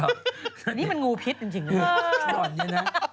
แม่งี้มันงูพิษจริง